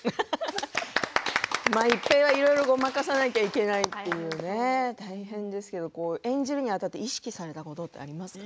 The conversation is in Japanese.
一平は、いろいろごまかさなきゃいけないっていうね、大変ですけど演じるにあたって意識されたことってありますか？